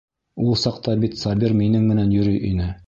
Ул саҡта бит Сабир минең менән йөрөй ине.